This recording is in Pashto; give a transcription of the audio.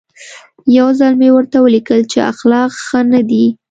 یو ځل مې ورته ولیکل چې اخلاق ښه نه دي.